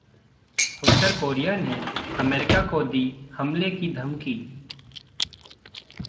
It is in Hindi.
उत्तर कोरिया ने अमेरिका को दी हमले की धमकी